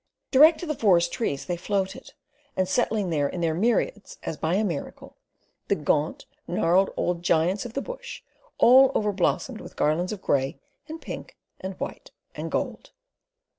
Direct to the forest trees they floated and, settling there in their myriads, as by a miracle the gaunt, gnarled old giants of the bush all over blossomed with garlands of grey, and pink, and white, and gold.